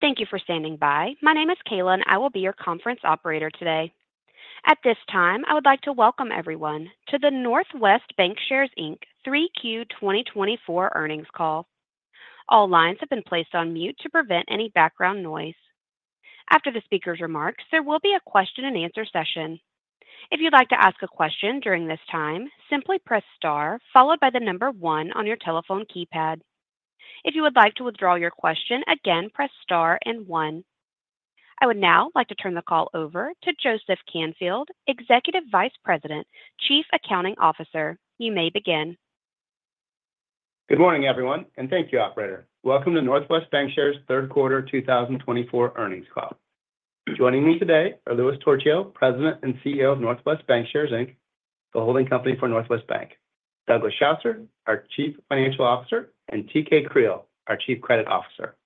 Thank you for standing by. My name is Kayla, and I will be your conference operator today. At this time, I would like to welcome everyone to the Northwest Bancshares, Inc. 3Q 2024 earnings call. All lines have been placed on mute to prevent any background noise. After the speaker's remarks, there will be a question-and-answer session. If you'd like to ask a question during this time, simply press star, followed by the number one on your telephone keypad. If you would like to withdraw your question, again, press star and one. I would now like to turn the call over to Joseph Canfield, Executive Vice President, Chief Accounting Officer. You may begin. Good morning, everyone, and thank you, Operator. Welcome to Northwest Bancshares' third quarter 2024 earnings call. Joining me today are Louis Torchio, President and CEO of Northwest Bancshares, Inc., the holding company for Northwest Bank, Douglas Schosser, our Chief Financial Officer, and T.K. Creal, our Chief Credit Officer.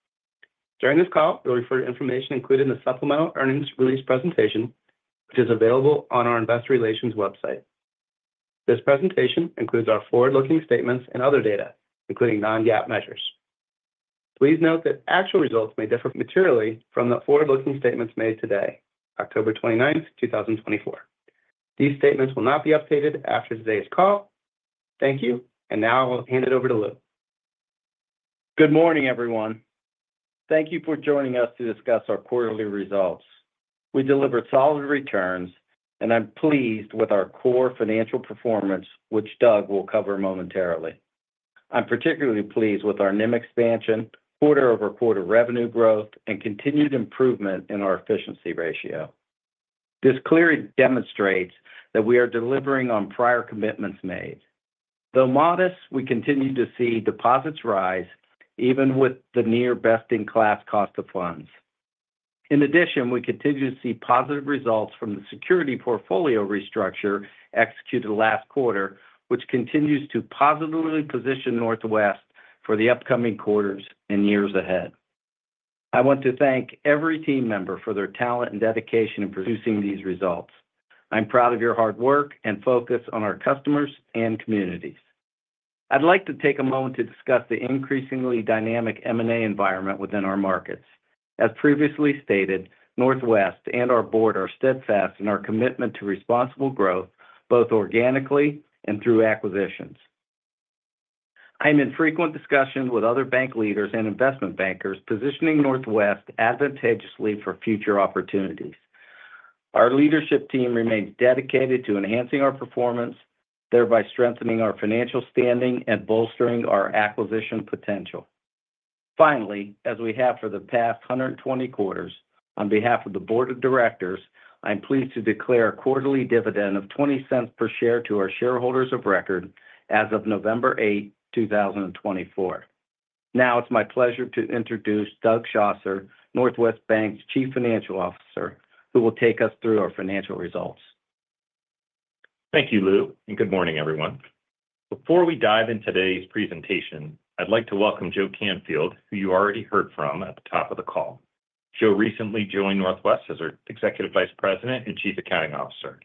During this call, we'll refer to information included in the supplemental earnings release presentation, which is available on our Investor Relations website. This presentation includes our forward-looking statements and other data, including non-GAAP measures. Please note that actual results may differ materially from the forward-looking statements made today, October 29, 2024. These statements will not be updated after today's call. Thank you, and now I will hand it over to Lou. Good morning, everyone. Thank you for joining us to discuss our quarterly results. We delivered solid returns, and I'm pleased with our core financial performance, which Doug will cover momentarily. I'm particularly pleased with our NIM expansion, quarter-over-quarter revenue growth, and continued improvement in our efficiency ratio. This clearly demonstrates that we are delivering on prior commitments made. Though modest, we continue to see deposits rise, even with the near-best-in-class cost of funds. In addition, we continue to see positive results from the securities portfolio restructure executed last quarter, which continues to positively position Northwest for the upcoming quarters and years ahead. I want to thank every team member for their talent and dedication in producing these results. I'm proud of your hard work and focus on our customers and communities. I'd like to take a moment to discuss the increasingly dynamic M&A environment within our markets. As previously stated, Northwest and our board are steadfast in our commitment to responsible growth, both organically and through acquisitions. I'm in frequent discussion with other bank leaders and investment bankers, positioning Northwest advantageously for future opportunities. Our leadership team remains dedicated to enhancing our performance, thereby strengthening our financial standing and bolstering our acquisition potential. Finally, as we have for the past 120 quarters, on behalf of the board of directors, I'm pleased to declare a quarterly dividend of $0.20 per share to our shareholders of record as of November 8, 2024. Now, it's my pleasure to introduce Doug Schosser, Northwest Bank's Chief Financial Officer, who will take us through our financial results. Thank you, Lou, and good morning, everyone. Before we dive into today's presentation, I'd like to welcome Joe Canfield, who you already heard from at the top of the call. Joe recently joined Northwest as our Executive Vice President and Chief Accounting Officer.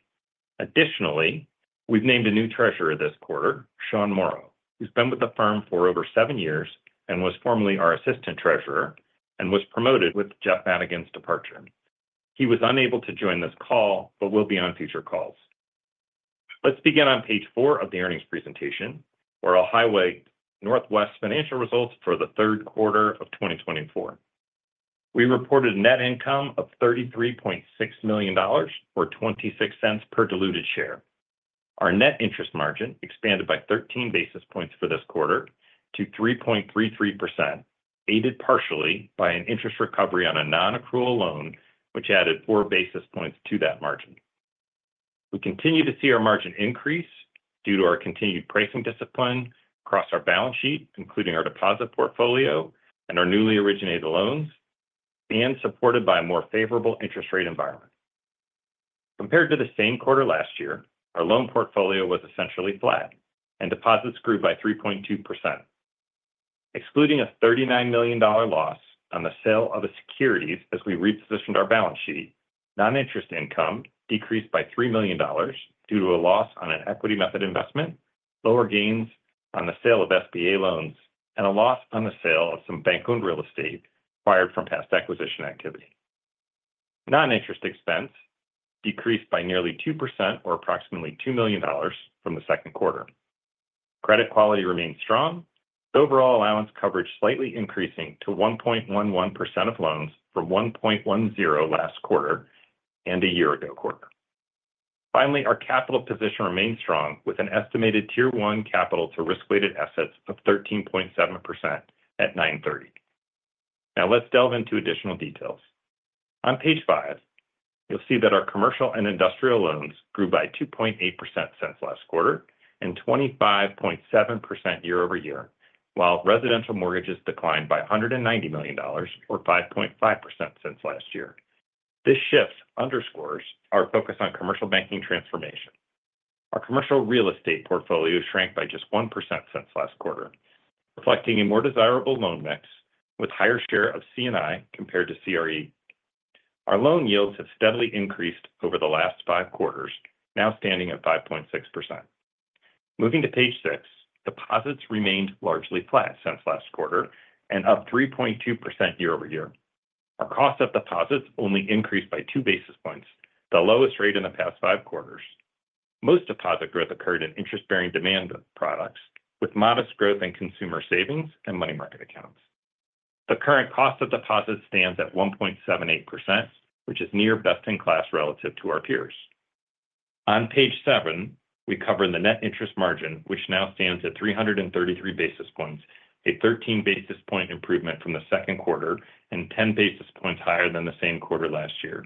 Additionally, we've named a new treasurer this quarter, Sean Morrow, who's been with the firm for over seven years and was formerly our Assistant Treasurer and was promoted with Jeff Madigan's departure. He was unable to join this call but will be on future calls. Let's begin on page four of the earnings presentation, where I'll highlight Northwest's financial results for the third quarter of 2024. We reported a net income of $33.6 million or $0.26 per diluted share. Our net interest margin expanded by 13 basis points for this quarter to 3.33%, aided partially by an interest recovery on a non-accrual loan, which added four basis points to that margin. We continue to see our margin increase due to our continued pricing discipline across our balance sheet, including our deposit portfolio and our newly originated loans, and supported by a more favorable interest rate environment. Compared to the same quarter last year, our loan portfolio was essentially flat, and deposits grew by 3.2%. Excluding a $39 million loss on the sale of securities as we repositioned our balance sheet, non-interest income decreased by $3 million due to a loss on an equity method investment, lower gains on the sale of SBA loans, and a loss on the sale of some bank-owned real estate acquired from past acquisition activity. Non-interest expense decreased by nearly 2% or approximately $2 million from the second quarter. Credit quality remained strong, overall allowance coverage slightly increasing to 1.11% of loans from 1.10% last quarter and a year-ago quarter. Finally, our capital position remained strong, with an estimated Tier 1 capital to risk-weighted assets of 13.7% at 9/30. Now, let's delve into additional details. On page five, you'll see that our commercial and industrial loans grew by 2.8% since last quarter and 25.7% year-over-year, while residential mortgages declined by $190 million or 5.5% since last year. This shift underscores our focus on commercial banking transformation. Our commercial real estate portfolio shrank by just 1% since last quarter, reflecting a more desirable loan mix with a higher share of C&I compared to CRE. Our loan yields have steadily increased over the last five quarters, now standing at 5.6%. Moving to page six, deposits remained largely flat since last quarter and up 3.2% year-over-year. Our cost of deposits only increased by two basis points, the lowest rate in the past five quarters. Most deposit growth occurred in interest-bearing demand products, with modest growth in consumer savings and money market accounts. The current cost of deposits stands at 1.78%, which is near best-in-class relative to our peers. On page seven, we cover the net interest margin, which now stands at 333 basis points, a 13-basis-point improvement from the second quarter and 10 basis points higher than the same quarter last year.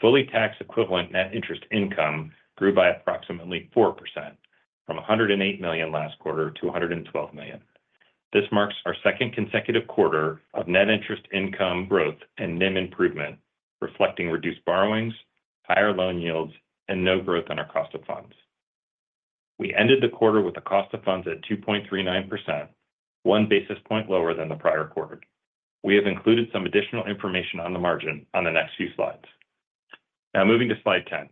Fully tax-equivalent net interest income grew by approximately 4%, from $108 million last quarter to $112 million. This marks our second consecutive quarter of net interest income growth and NIM improvement, reflecting reduced borrowings, higher loan yields, and no growth on our cost of funds. We ended the quarter with a cost of funds at 2.39%, one basis point lower than the prior quarter. We have included some additional information on the margin on the next few slides. Now, moving to slide 10,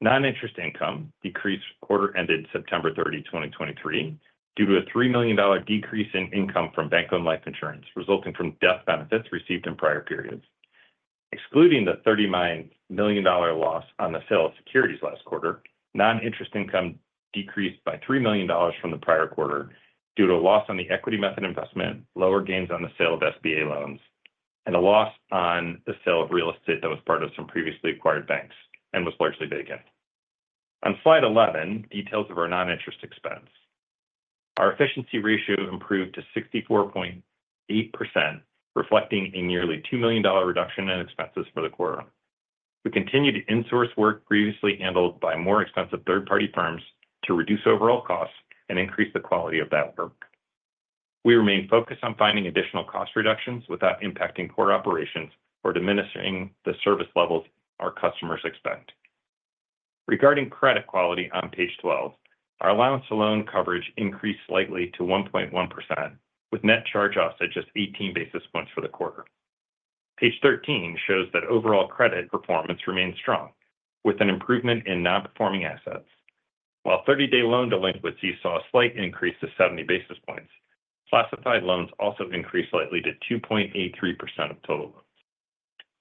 non-interest income decreased quarter-ended September 30, 2023, due to a $3 million decrease in income from bank-owned life insurance resulting from death benefits received in prior periods. Excluding the $39 million loss on the sale of securities last quarter, non-interest income decreased by $3 million from the prior quarter due to a loss on the equity method investment, lower gains on the sale of SBA loans, and a loss on the sale of real estate that was part of some previously acquired banks and was largely vacant. On slide 11, details of our non-interest expense. Our efficiency ratio improved to 64.8%, reflecting a nearly $2 million reduction in expenses for the quarter. We continued to insource work previously handled by more expensive third-party firms to reduce overall costs and increase the quality of that work. We remain focused on finding additional cost reductions without impacting core operations or diminishing the service levels our customers expect. Regarding credit quality on page 12, our allowance-to-loan coverage increased slightly to 1.1%, with net charge-offs at just 18 basis points for the quarter. Page 13 shows that overall credit performance remained strong, with an improvement in non-performing assets. While 30-day loan delinquencies saw a slight increase to 70 basis points, classified loans also increased slightly to 2.83% of total loans.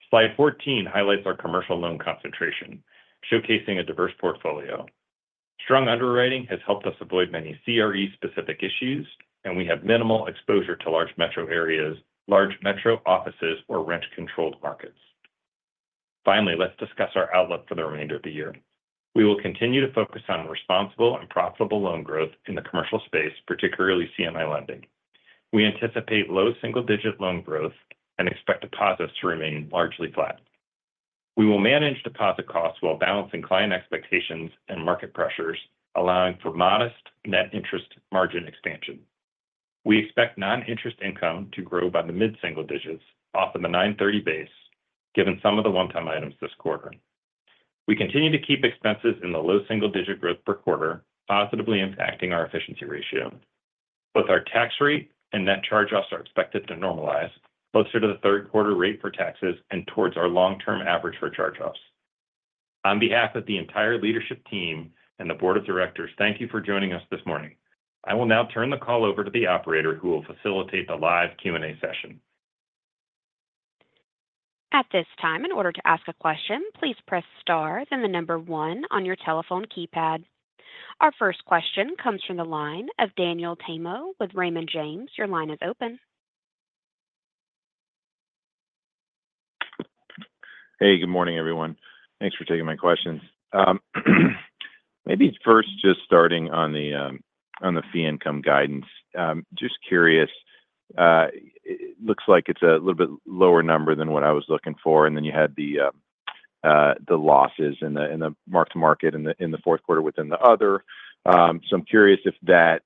Slide 14 highlights our commercial loan concentration, showcasing a diverse portfolio. Strong underwriting has helped us avoid many CRE-specific issues, and we have minimal exposure to large metro areas, large metro offices, or rent-controlled markets. Finally, let's discuss our outlook for the remainder of the year. We will continue to focus on responsible and profitable loan growth in the commercial space, particularly C&I lending. We anticipate low single-digit loan growth and expect deposits to remain largely flat. We will manage deposit costs while balancing client expectations and market pressures, allowing for modest net interest margin expansion. We expect non-interest income to grow by the mid-single digits off of the 930 base, given some of the one-time items this quarter. We continue to keep expenses in the low single-digit growth per quarter, positively impacting our efficiency ratio. Both our tax rate and net charge-offs are expected to normalize closer to the third quarter rate for taxes and towards our long-term average for charge-offs. On behalf of the entire leadership team and the board of directors, thank you for joining us this morning. I will now turn the call over to the Operator, who will facilitate the live Q&A session. At this time, in order to ask a question, please press star, then the number one on your telephone keypad. Our first question comes from the line of Daniel Tamayo with Raymond James. Your line is open. Hey, good morning, everyone. Thanks for taking my questions. Maybe first, just starting on the fee income guidance, just curious, it looks like it's a little bit lower number than what I was looking for, and then you had the losses in the mark-to-market in the fourth quarter within the other. So I'm curious if that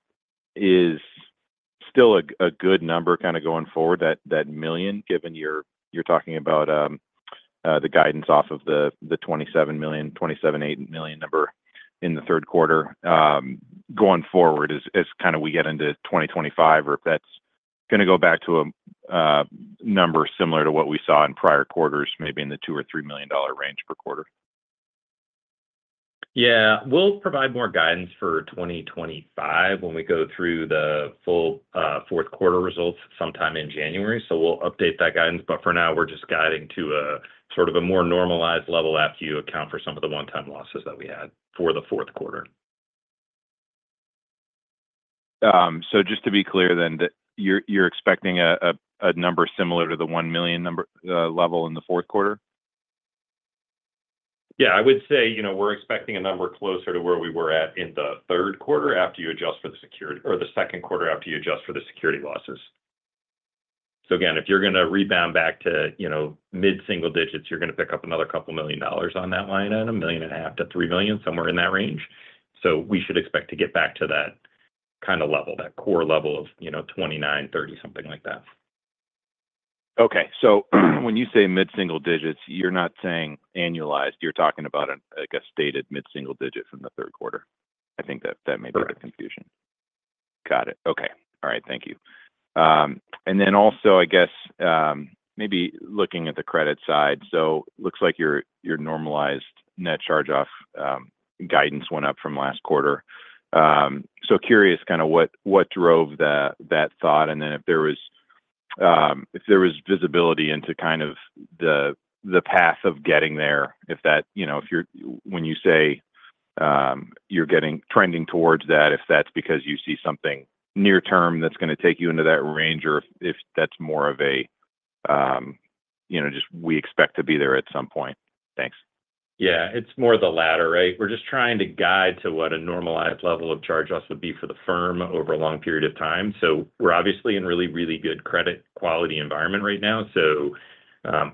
is still a good number kind of going forward, that $1 million, given you're talking about the guidance off of the $27 million, $27.8 million number in the third quarter going forward as kind of we get into 2025, or if that's going to go back to a number similar to what we saw in prior quarters, maybe in the $2 or $3 million range per quarter? Yeah, we'll provide more guidance for 2025 when we go through the full fourth quarter results sometime in January. So we'll update that guidance. But for now, we're just guiding to a sort of a more normalized level after you account for some of the one-time losses that we had for the fourth quarter. So just to be clear then, you're expecting a number similar to the $1 million level in the fourth quarter? Yeah, I would say we're expecting a number closer to where we were at in the third quarter after you adjust for the security or the second quarter after you adjust for the security losses. So again, if you're going to rebound back to mid-single digits, you're going to pick up another couple of million dollars on that line at $1.5 million-$3 million, somewhere in that range. So we should expect to get back to that kind of level, that core level of 29, 30, something like that. Okay. So when you say mid-single digits, you're not saying annualized. You're talking about a stated mid-single digit from the third quarter. I think that may be the confusion. Got it. Got it. Okay. All right. Thank you. And then also, I guess, maybe looking at the credit side, so it looks like your normalized net charge-off guidance went up from last quarter. So curious kind of what drove that thought, and then if there was visibility into kind of the path of getting there, if that, when you say you're trending towards that, if that's because you see something near-term that's going to take you into that range, or if that's more of a just we expect to be there at some point. Thanks. Yeah, it's more the latter, right? We're just trying to guide to what a normalized level of charge-off would be for the firm over a long period of time. So we're obviously in a really, really good credit quality environment right now. So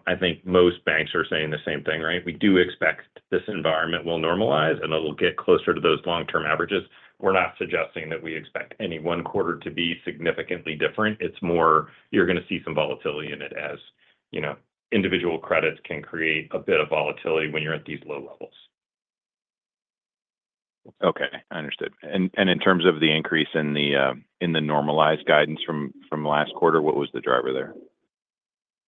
I think most banks are saying the same thing, right? We do expect this environment will normalize, and it'll get closer to those long-term averages. We're not suggesting that we expect any one quarter to be significantly different. It's more you're going to see some volatility in it as individual credits can create a bit of volatility when you're at these low levels. Okay. I understood, and in terms of the increase in the normalized guidance from last quarter, what was the driver there?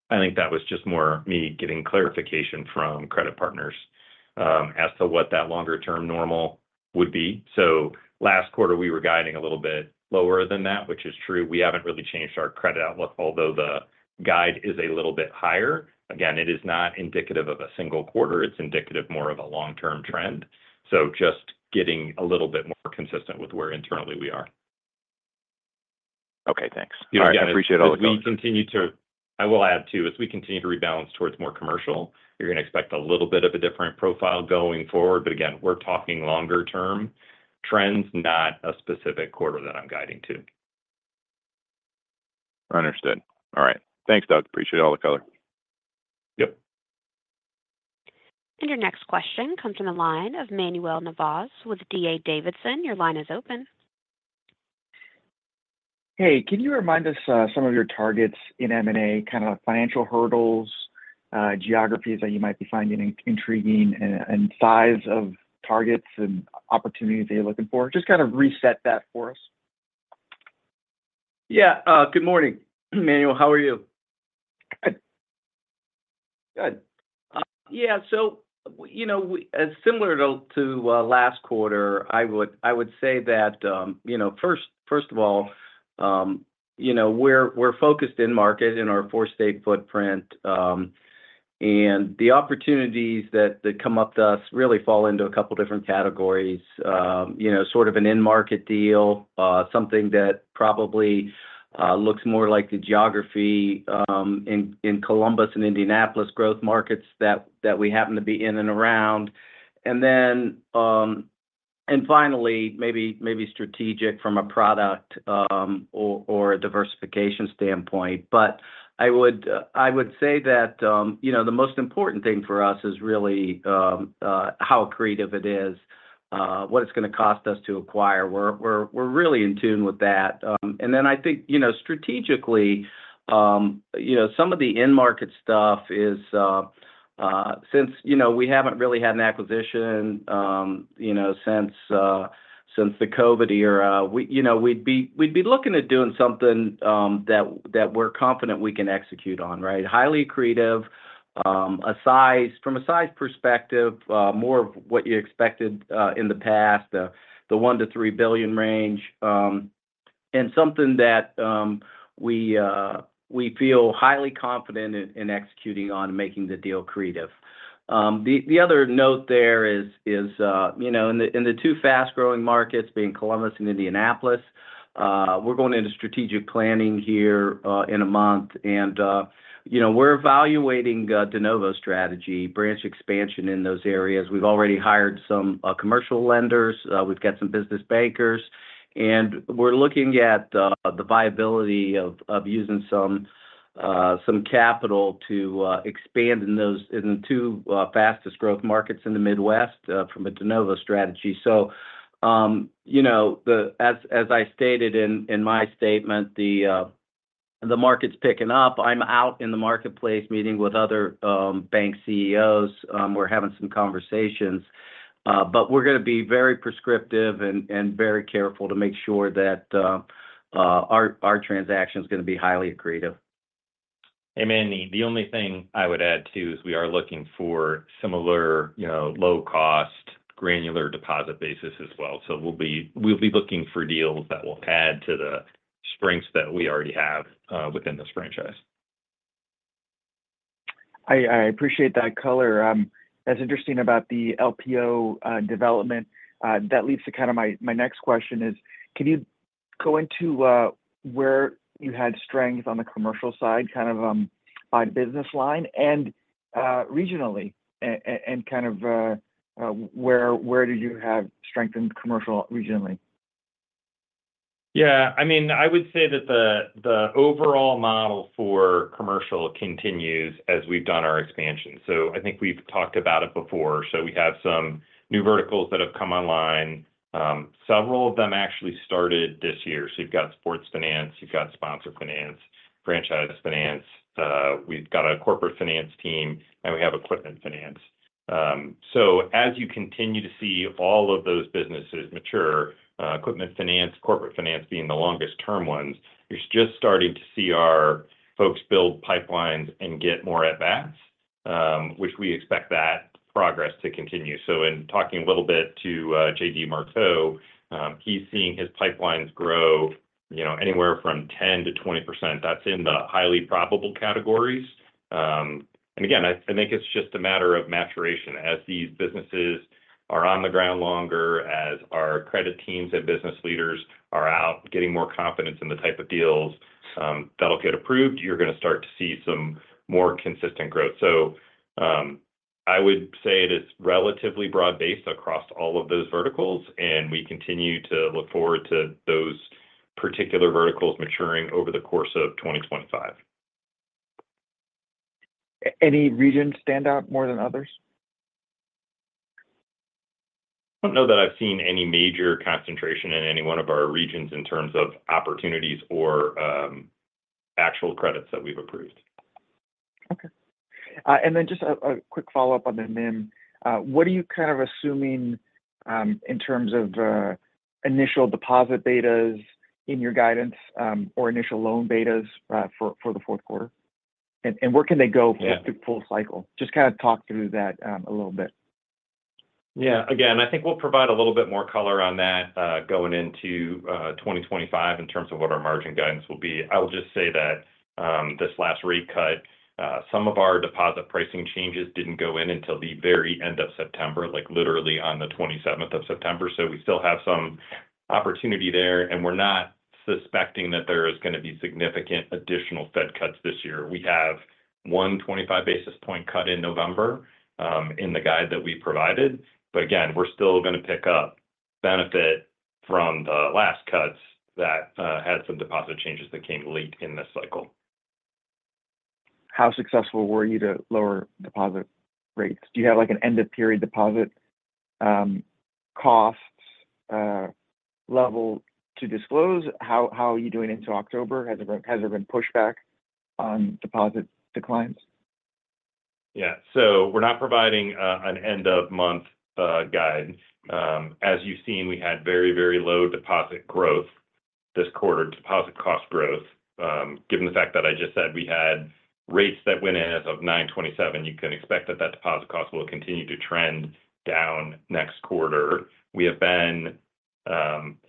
I think that was just more me getting clarification from credit partners as to what that longer-term normal would be. So last quarter, we were guiding a little bit lower than that, which is true. We haven't really changed our credit outlook, although the guide is a little bit higher. Again, it is not indicative of a single quarter. It's indicative more of a long-term trend. So just getting a little bit more consistent with where internally we are. Okay. Thanks. Yeah, I appreciate all the comments. As we continue to rebalance towards more commercial, you're going to expect a little bit of a different profile going forward. But again, we're talking longer-term trends, not a specific quarter that I'm guiding to. Understood. All right. Thanks, Doug. Appreciate all the color. Yep. Your next question comes from the line of Manuel Navas with D.A. Davidson. Your line is open. Hey, can you remind us some of your targets in M&A, kind of financial hurdles, geographies that you might be finding intriguing, and size of targets and opportunities that you're looking for? Just kind of reset that for us. Yeah. Good morning, Manuel. How are you? Good. Good. Yeah. So similar to last quarter, I would say that first of all, we're focused in-market in our four-state footprint. And the opportunities that come up to us really fall into a couple of different categories: sort of an in-market deal, something that probably looks more like the geography in Columbus and Indianapolis growth markets that we happen to be in and around. And finally, maybe strategic from a product or a diversification standpoint. But I would say that the most important thing for us is really how accretive it is, what it's going to cost us to acquire. We're really in tune with that. And then I think strategically, some of the in-market stuff is since we haven't really had an acquisition since the COVID era, we'd be looking at doing something that we're confident we can execute on, right? Highly creative from a size perspective, more of what you expected in the past, the $1 billion-$3 billion range, and something that we feel highly confident in executing on and making the deal creative. The other note there is in the two fast-growing markets, being Columbus and Indianapolis, we're going into strategic planning here in a month, and we're evaluating de novo strategy branch expansion in those areas. We've already hired some commercial lenders. We've got some business bankers, and we're looking at the viability of using some capital to expand in the two fastest-growth markets in the Midwest from a de novo strategy, so as I stated in my statement, the market's picking up. I'm out in the marketplace meeting with other bank CEOs. We're having some conversations, but we're going to be very prescriptive and very careful to make sure that our transaction is going to be highly accretive. The only thing I would add too is we are looking for similar low-cost, granular deposit basis as well. So we'll be looking for deals that will add to the strengths that we already have within this franchise. I appreciate that color. That's interesting about the LPO development. That leads to kind of my next question is, can you go into where you had strength on the commercial side, kind of by the business line and regionally, and kind of where do you have strength in commercial regionally? Yeah. I mean, I would say that the overall model for commercial continues as we've done our expansion. So I think we've talked about it before. So we have some new verticals that have come online. Several of them actually started this year. So you've got sports finance. You've got sponsor finance, franchise finance. We've got a corporate finance team, and we have equipment finance. So as you continue to see all of those businesses mature, equipment finance, corporate finance being the longest-term ones, you're just starting to see our folks build pipelines and get more at bats, which we expect that progress to continue. So in talking a little bit to Jay DesMarteau, he's seeing his pipelines grow anywhere from 10%-20%. That's in the highly probable categories. And again, I think it's just a matter of maturation. As these businesses are on the ground longer, as our credit teams and business leaders are out getting more confidence in the type of deals that'll get approved, you're going to start to see some more consistent growth. So I would say it is relatively broad-based across all of those verticals, and we continue to look forward to those particular verticals maturing over the course of 2025. Any regions stand out more than others? I don't know that I've seen any major concentration in any one of our regions in terms of opportunities or actual credits that we've approved. Okay. And then just a quick follow-up on the NIM. What are you kind of assuming in terms of initial deposit betas in your guidance or initial loan betas for the fourth quarter? And where can they go for the full cycle? Just kind of talk through that a little bit. Yeah. Again, I think we'll provide a little bit more color on that going into 2025 in terms of what our margin guidance will be. I will just say that this last rate cut, some of our deposit pricing changes didn't go in until the very end of September, literally on the 27th of September. So we still have some opportunity there, and we're not suspecting that there is going to be significant additional Fed cuts this year. We have 125 basis point cut in November in the guide that we provided. But again, we're still going to pick up benefit from the last cuts that had some deposit changes that came late in this cycle. How successful were you to lower deposit rates? Do you have an end-of-period deposit costs level to disclose? How are you doing into October? Has there been pushback on deposit declines? Yeah. So we're not providing an end-of-month guide. As you've seen, we had very, very low deposit growth this quarter, deposit cost growth. Given the fact that I just said we had rates that went in as of 9/27, you can expect that that deposit cost will continue to trend down next quarter. We have been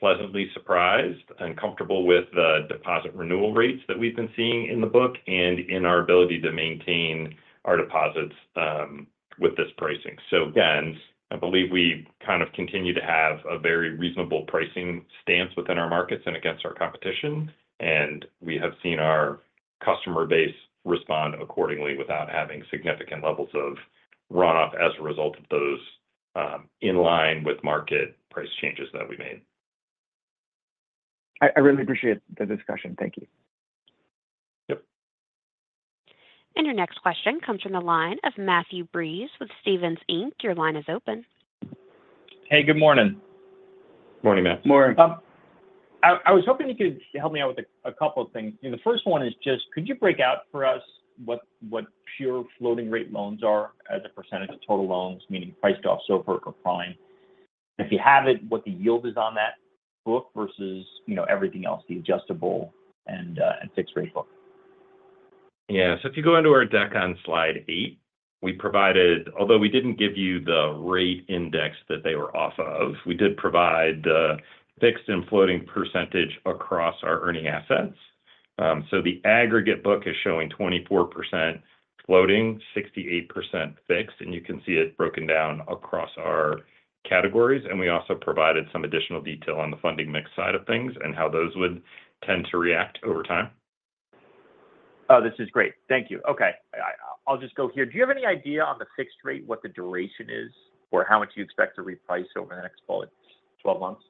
pleasantly surprised and comfortable with the deposit renewal rates that we've been seeing in the book and in our ability to maintain our deposits with this pricing. So again, I believe we kind of continue to have a very reasonable pricing stance within our markets and against our competition. And we have seen our customer base respond accordingly without having significant levels of runoff as a result of those in line with market price changes that we made. I really appreciate the discussion. Thank you. Yep. And your next question comes from the line of Matthew Breese with Stephens Inc. Your line is open. Hey, good morning. Good morning, Matt. Morning. I was hoping you could help me out with a couple of things. The first one is just, could you break out for us what pure floating-rate loans are as a percentage of total loans, meaning priced off SOFR or prime? If you have it, what the yield is on that book versus everything else, the adjustable and fixed-rate book? Yeah. So if you go into our deck on slide 8, although we didn't give you the rate index that they were off of, we did provide the fixed and floating percentage across our earning assets. So the aggregate book is showing 24% floating, 68% fixed, and you can see it broken down across our categories. And we also provided some additional detail on the funding mix side of things and how those would tend to react over time. Oh, this is great. Thank you. Okay. I'll just go here. Do you have any idea on the fixed rate, what the duration is, or how much you expect to reprice over the next 12 months?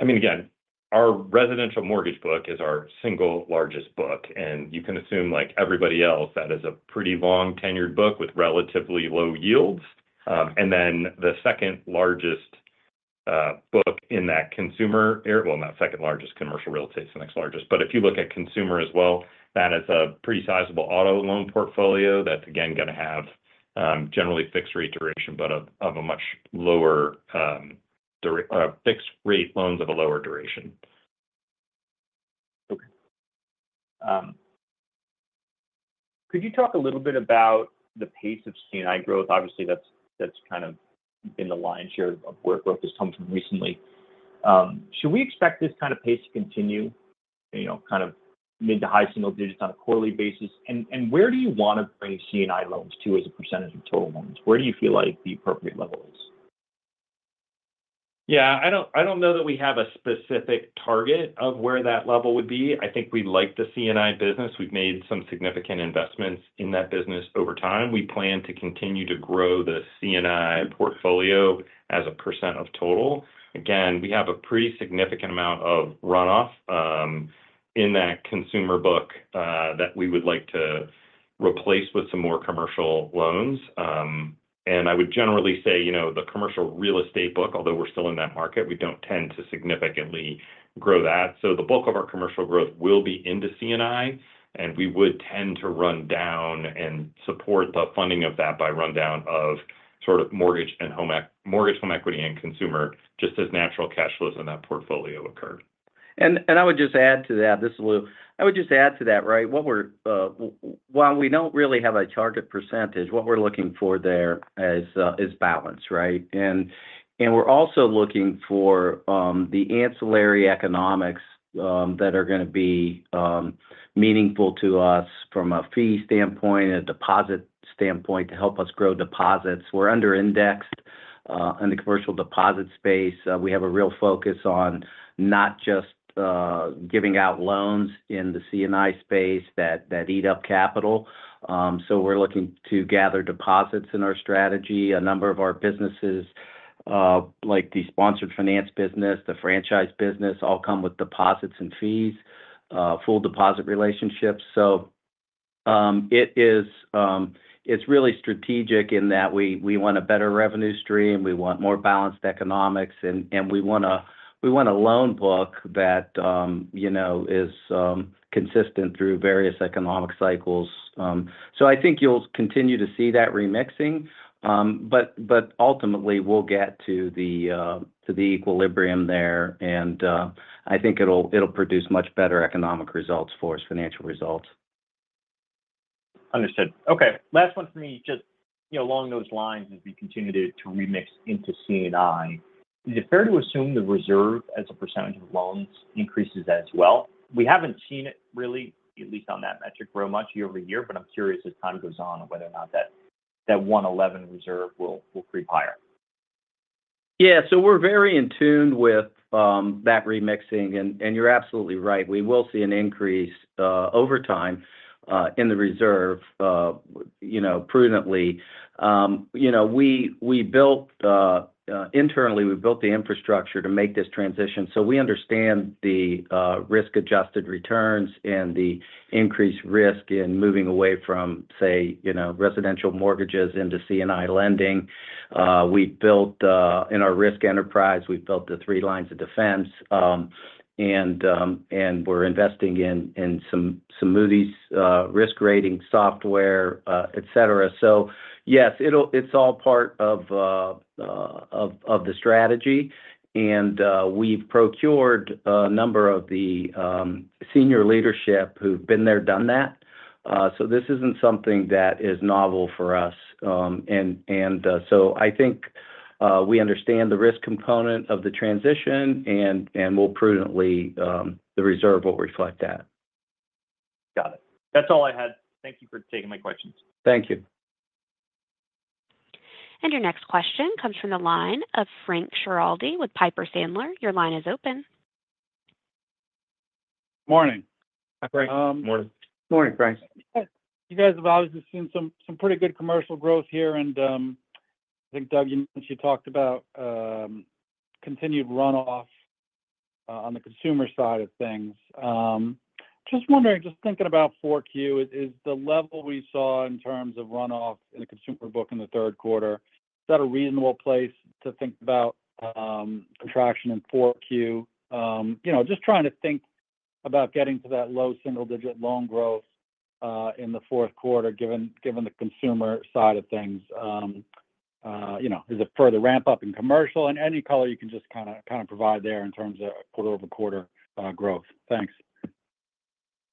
I mean, again, our residential mortgage book is our single largest book, and you can assume like everybody else that is a pretty long-tenured book with relatively low yields, and then the second largest book in that consumer area, well, not second largest commercial real estate is the next largest, but if you look at consumer as well, that is a pretty sizable auto loan portfolio that's, again, going to have generally fixed-rate duration, but of a much lower fixed-rate loans of a lower duration. Okay. Could you talk a little bit about the pace of C&I growth? Obviously, that's kind of been the lion's share of where growth has come from recently. Should we expect this kind of pace to continue kind of mid to high single digits on a quarterly basis? And where do you want to bring C&I loans to as a percentage of total loans? Where do you feel like the appropriate level is? Yeah. I don't know that we have a specific target of where that level would be. I think we like the C&I business. We've made some significant investments in that business over time. We plan to continue to grow the C&I portfolio as a percent of total. Again, we have a pretty significant amount of runoff in that consumer book that we would like to replace with some more commercial loans. And I would generally say the commercial real estate book, although we're still in that market, we don't tend to significantly grow that. So the bulk of our commercial growth will be into C&I, and we would tend to run down and support the funding of that by rundown of sort of mortgage and home equity and consumer just as natural cash flows in that portfolio occur. I would just add to that, this is Lou. I would just add to that, right? While we don't really have a target percentage, what we're looking for there is balance, right? And we're also looking for the ancillary economics that are going to be meaningful to us from a fee standpoint, a deposit standpoint to help us grow deposits. We're under-indexed in the commercial deposit space. We have a real focus on not just giving out loans in the C&I space that eat up capital. So we're looking to gather deposits in our strategy. A number of our businesses, like the sponsor finance business, the franchise business, all come with deposits and fees, full deposit relationships. So it's really strategic in that we want a better revenue stream. We want more balanced economics, and we want a loan book that is consistent through various economic cycles. So I think you'll continue to see that remixing. But ultimately, we'll get to the equilibrium there. And I think it'll produce much better economic results for us, financial results. Understood. Okay. Last one for me, just along those lines as we continue to remix into C&I, is it fair to assume the reserve as a percentage of loans increases as well? We haven't seen it really, at least on that metric, grow much year over year, but I'm curious as time goes on whether or not that 1.11 reserve will creep higher. Yeah, so we're very in tune with that remixing, and you're absolutely right. We will see an increase over time in the reserve, prudently. Internally, we built the infrastructure to make this transition, so we understand the risk-adjusted returns and the increased risk in moving away from, say, residential mortgages into C&I lending. In our risk enterprise, we've built the three lines of defense, and we're investing in some Moody's risk rating software, etc. So yes, it's all part of the strategy, and we've procured a number of the senior leadership who've been there, done that. So this isn't something that is novel for us, and so I think we understand the risk component of the transition, and we'll prudently, the reserve will reflect that. Got it. That's all I had. Thank you for taking my questions. Thank you. And your next question comes from the line of Frank Schiraldi with Piper Sandler. Your line is open. Morning. Hi, Frank. Morning. Morning, Frank. You guys have obviously seen some pretty good commercial growth here. And I think Doug, you mentioned you talked about continued runoff on the consumer side of things. Just wondering, just thinking about 4Q, is the level we saw in terms of runoff in the consumer book in the third quarter a reasonable place to think about contraction in 4Q? Just trying to think about getting to that low single-digit loan growth in the fourth quarter given the consumer side of things. Is it further ramp up in commercial? And any color you can just kind of provide there in terms of quarter-over-quarter growth. Thanks.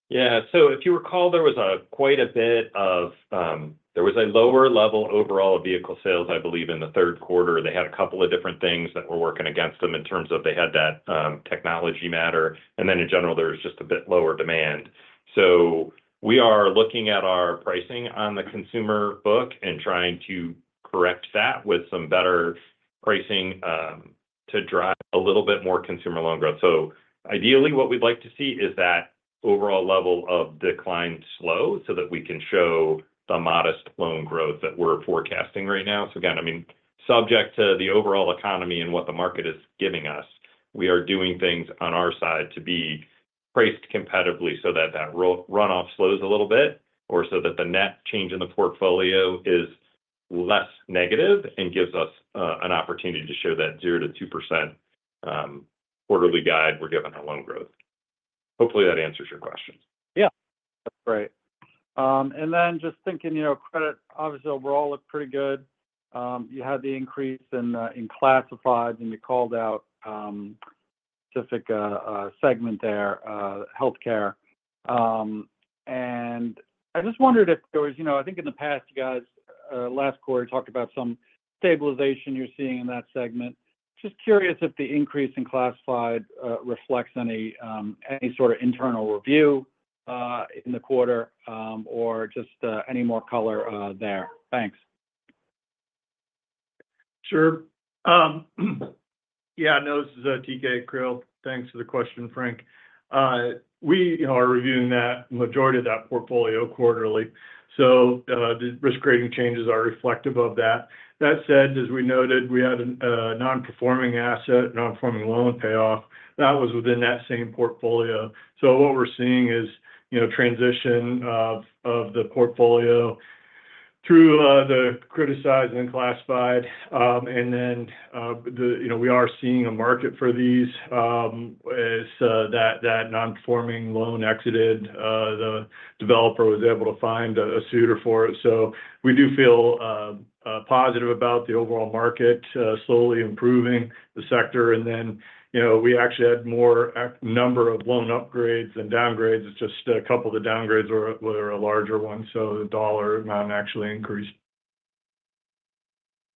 Yeah, so if you recall, there was quite a bit of a lower level overall vehicle sales, I believe, in the third quarter. They had a couple of different things that were working against them in terms of, they had that technology matter, and then in general, there was just a bit lower demand, so we are looking at our pricing on the consumer book and trying to correct that with some better pricing to drive a little bit more consumer loan growth, so ideally, what we'd like to see is that overall level of decline slow so that we can show the modest loan growth that we're forecasting right now. So again, I mean, subject to the overall economy and what the market is giving us, we are doing things on our side to be priced competitively so that that runoff slows a little bit or so that the net change in the portfolio is less negative and gives us an opportunity to show that 0%-2% quarterly guide we're given on loan growth. Hopefully, that answers your question. Yeah. That's great. And then, just thinking credit, obviously, overall looked pretty good. You had the increase in classifieds, and you called out a specific segment there, healthcare. And I just wondered if there was, I think in the past, you guys, last quarter, talked about some stabilization you're seeing in that segment. Just curious if the increase in classified reflects any sort of internal review in the quarter or just any more color there. Thanks. Sure. Yeah. No, this is T.K. Creal. Thanks for the question, Frank. We are reviewing that majority of that portfolio quarterly. So the risk-grading changes are reflective of that. That said, as we noted, we had a non-performing asset, non-performing loan payoff. That was within that same portfolio. So what we're seeing is transition of the portfolio through the criticized and classified. And then we are seeing a market for these as that non-performing loan exited. The developer was able to find a suitor for it. So we do feel positive about the overall market slowly improving the sector. And then we actually had more number of loan upgrades than downgrades. It's just a couple of the downgrades were a larger one. So the dollar amount actually increased.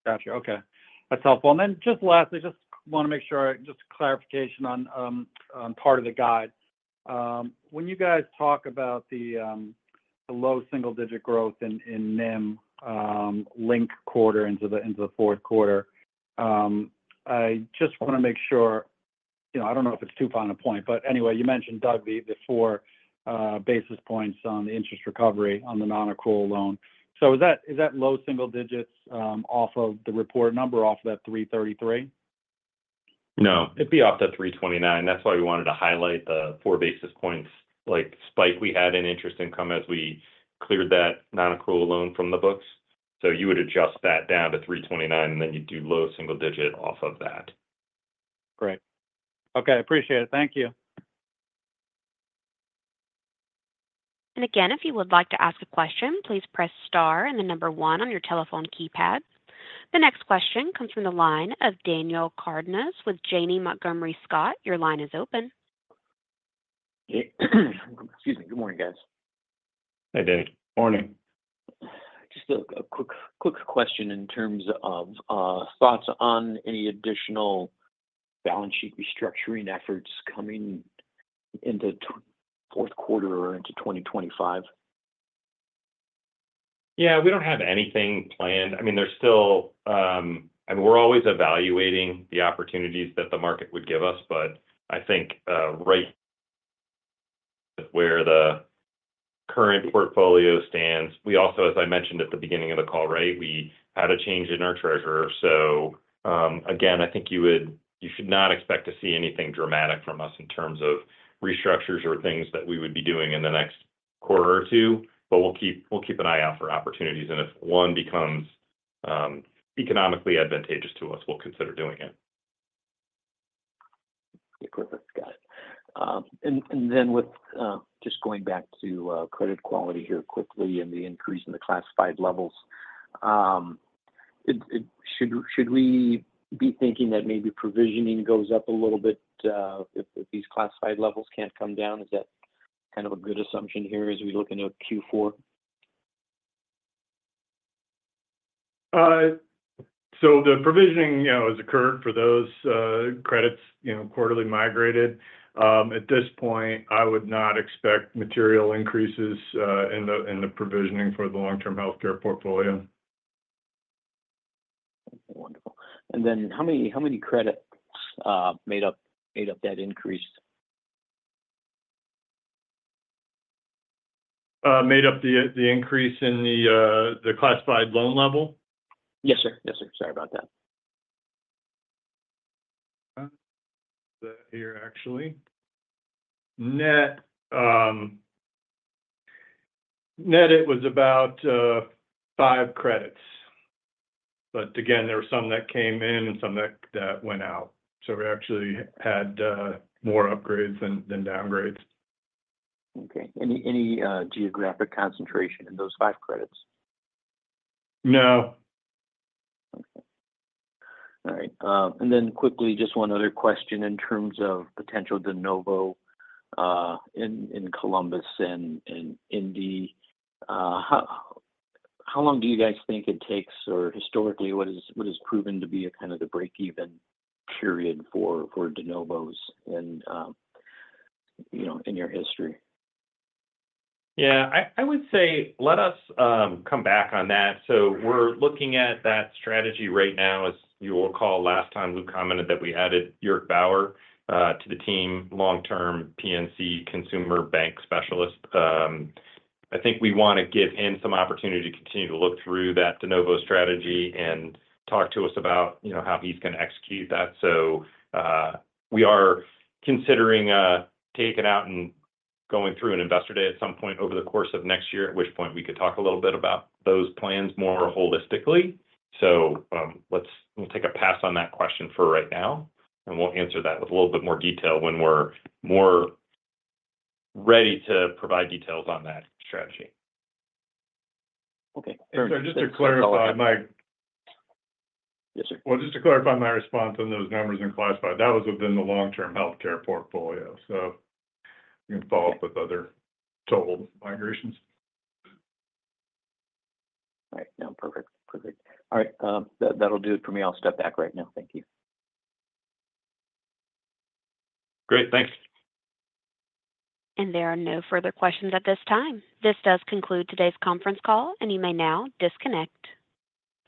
Gotcha. Okay. That's helpful. And then just lastly, just want to make sure I just clarification on part of the guide. When you guys talk about the low single-digit growth in NIM linked quarter into the fourth quarter, I just want to make sure. I don't know if it's too far on a point, but anyway, you mentioned Doug the four basis points on the interest recovery on the non-accrual loan. So is that low single digits off of the reported number off of that 333? No. It'd be off that 329. That's why we wanted to highlight the four basis points spike we had in interest income as we cleared that non-accrual loan from the books. So you would adjust that down to 329, and then you'd do low single digit off of that. Great. Okay. Appreciate it. Thank you. And again, if you would like to ask a question, please press star and the number one on your telephone keypad. The next question comes from the line of Daniel Cardenas with Janney Montgomery Scott. Your line is open. Excuse me. Good morning, guys. Hey, Daniel. Morning. Just a quick question in terms of thoughts on any additional balance sheet restructuring efforts coming into fourth quarter or into 2025? Yeah. We don't have anything planned. I mean, there's still I mean, we're always evaluating the opportunities that the market would give us. But I think right where the current portfolio stands, we also, as I mentioned at the beginning of the call, right, we had a change in our treasurer. So again, I think you should not expect to see anything dramatic from us in terms of restructures or things that we would be doing in the next quarter or two. But we'll keep an eye out for opportunities, and if one becomes economically advantageous to us, we'll consider doing it. Got it. Then with just going back to credit quality here quickly and the increase in the classified levels, should we be thinking that maybe provisioning goes up a little bit if these classified levels can't come down? Is that kind of a good assumption here as we look into Q4? So the provisioning has occurred for those credits quarterly migrated. At this point, I would not expect material increases in the provisioning for the long-term healthcare portfolio. Wonderful. And then how many credits made up that increase? Made up the increase in the classified loan level? Yes, sir. Yes, sir. Sorry about that. Net here, actually. Net, it was about five credits. But again, there were some that came in and some that went out. So we actually had more upgrades than downgrades. Okay. Any geographic concentration in those five credits? No. Okay. All right. And then quickly, just one other question in terms of potential de novo in Columbus and Indy. How long do you guys think it takes or historically, what has proven to be kind of the break-even period for de novos in your history? Yeah. I would say let us come back on that. We're looking at that strategy right now, as you will recall last time we commented that we added York Bauer to the team, long-term PNC consumer bank specialist. I think we want to give him some opportunity to continue to look through that de novo strategy and talk to us about how he's going to execute that. We are considering taking out and going through an investor day at some point over the course of next year, at which point we could talk a little bit about those plans more holistically. We'll take a pass on that question for right now, and we'll answer that with a little bit more detail when we're more ready to provide details on that strategy. Okay. Just to clarify my. Yes, sir. Well, just to clarify my response on those numbers in classified, that was within the long-term healthcare portfolio. So we can follow up with other total migrations. All right. No, perfect. Perfect. All right. That'll do it for me. I'll step back right now. Thank you. Great. Thanks. And there are no further questions at this time. This does conclude today's conference call, and you may now disconnect.